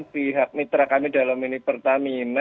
pihak mitra kami dalam ini pertamina